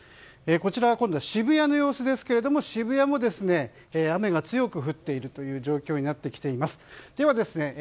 こちらは渋谷の様子ですが渋谷も雨が強く降っているという状況になってきています。